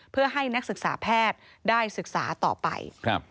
เพื่อให้นักศึกษาแพทย์ได้ศึกษาต่อไป